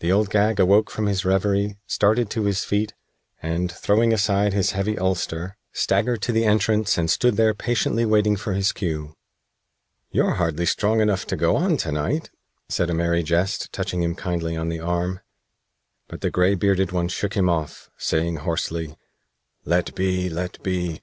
The Old Gag awoke from his reverie, started to his feet, and, throwing aside his heavy ulster, staggered to the entrance and stood there patiently waiting for his cue. "You're hardly strong enough to go on to night," said a Merry Jest, touching him kindly on the arm; but the gray bearded one shook him off, saying hoarsely: "Let be! Let be!